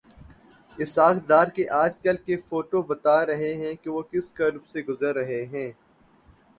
اسحاق ڈار کے آج کل کے فوٹوبتا رہے ہیں کہ وہ کس کرب سے گزر رہے ہیں۔